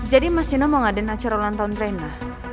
jadi mas nino mau ngadain acar ulang tahun rena